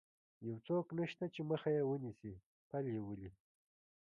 یو څوک نشته چې مخه یې ونیسي، پل یې ولې.